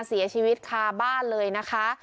เสียชีวิตคาบ้านเลยนะคะ